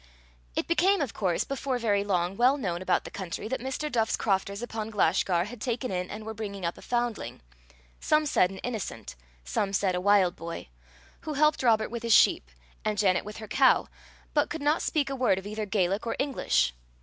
It became, of course, before very long, well known about the country that Mr. Duff's crofters upon Glashgar had taken in and were bringing up a foundling some said an innocent, some said a wild boy who helped Robert with his sheep, and Janet with her cow, but could not speak a word of either Gaelic or English.